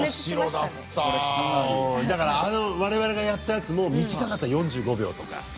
だから、我々がやったやつも短かった、４５秒とか。